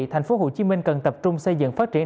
tp hcm cần tập trung xây dựng phát triển